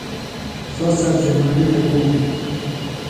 سوۡ سبزیۡ منڈیۡ تھےۡ گُوم۔